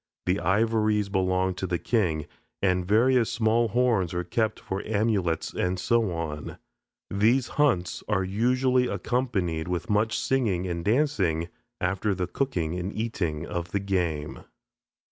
The ivories belong to the king, and various small horns are kept for amulets, and so on. These hunts are usually accompanied with much singing and dancing, after the cooking and eating of the game.